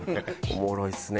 おもろいっすね